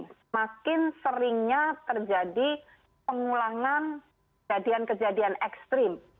semakin seringnya terjadi pengulangan kejadian ekstrim